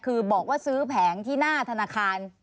คือบอกว่าซื้อแผงที่หน้าธนาคาร